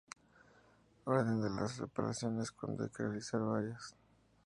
Orden de las reparaciones cuando hay que realizar varias.